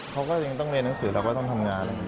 เขาก็ยังต้องเรียนหนังสือแล้วก็ต้องทำงาน